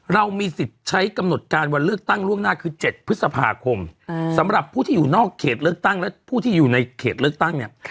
เรามีสิทธิ์ใช้กำหนดการวันเลือกตั้งล่วงหน้าคือ๗พฤษภาคมสำหรับผู้ที่อยู่นอกเขตเลือกตั้งและผู้ที่อยู่ในเขตเลือกตั้งเนี่ย